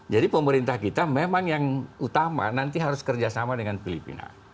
jadi pemerintah kita memang yang utama nanti harus kerjasama dengan filipina